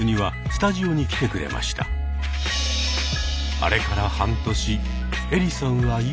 あれから半年エリさんは今？